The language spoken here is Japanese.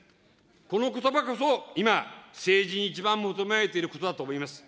このことばこそ、今、政治に一番求められていることだと思います。